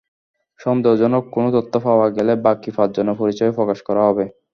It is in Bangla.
সন্দেহজনক কোনো তথ্য পাওয়া গেলে বাকি পাঁচজনের পরিচয়ও প্রকাশ করা হবে।